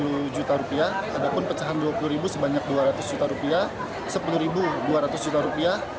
ataupun pecahan rp dua puluh sebanyak rp dua ratus